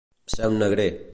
Ser un negrer.